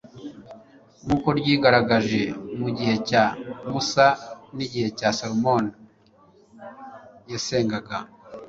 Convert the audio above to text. nk'uko ryigaragaje mu gihe cya musa n'igihe salomoni yasengaga